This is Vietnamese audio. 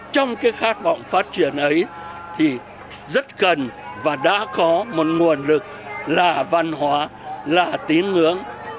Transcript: trong cái khát vọng phát triển ấy thì rất cần và đã có một nguồn lực là văn hóa lạ tín ngưỡng